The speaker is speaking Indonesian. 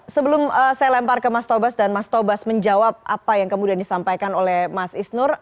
sebelum saya lempar ke mas taufik basari dan mas taufik basari menjawab apa yang kemudian disampaikan